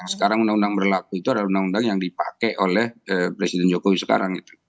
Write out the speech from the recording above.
sekarang undang undang berlaku itu adalah undang undang yang dipakai oleh presiden jokowi sekarang itu